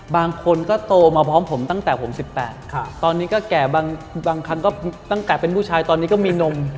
บางคนก็โตมาพร้อมผมตั้งแต่ผม๑๘ตอนนี้ก็แก่บางครั้งก็ตั้งแต่เป็นผู้ชายตอนนี้ก็มีนม